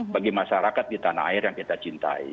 bagi masyarakat di tanah air yang kita cintai